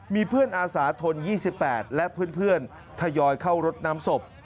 มีเพื่อนอาสาทน๒๘และเพื่อนทยอยเข้ารดน้ำศพ